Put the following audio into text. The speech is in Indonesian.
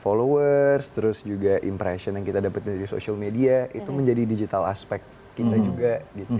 followers terus juga impression yang kita dapat dari social media itu menjadi digital aspek kita juga gitu